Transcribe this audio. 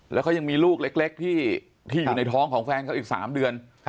แล้วเขายังมีลูกเล็กที่อยู่ในท้องของแฟนเขาอีก๓เดือน